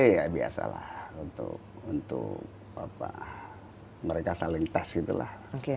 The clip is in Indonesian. ya biasa lah untuk mereka saling tes gitu lah